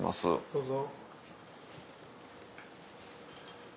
どうぞ。